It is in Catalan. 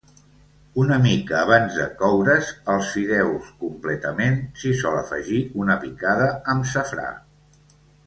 Una mica abans de coure's els fideus completament, s'hi sol afegir una picada amb safrà.